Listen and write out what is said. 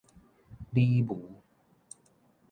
女巫